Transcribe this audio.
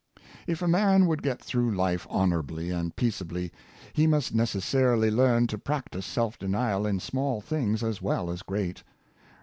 "*' If a man would get through life honorably and peace ably, he must necessarily learn to practice self denial in small things as well as great.